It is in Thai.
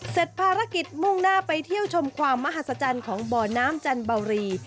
เสร็จภารกิจมุ่งหน้าไปเที่ยวชมความมหัศจรรย์ของบ่อน้ำจันเบารี